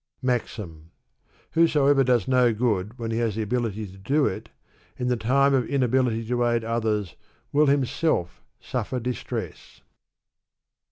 MAXIM. Whosoever does no good when he has the ability to do it, in the time of inability to aid others will himself suffer distress.